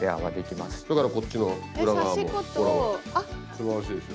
すばらしいでしょ。